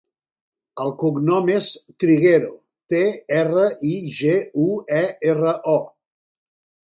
El cognom és Triguero: te, erra, i, ge, u, e, erra, o.